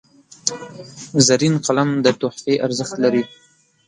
زرین قلم د تحفې ارزښت لري.